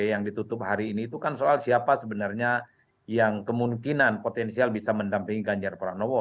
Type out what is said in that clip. yang ditutup hari ini itu kan soal siapa sebenarnya yang kemungkinan potensial bisa mendampingi ganjar pranowo